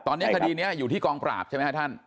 ตอนนี้คดีนี้อยู่ที่กองปราบใช่ไหมครับท่าน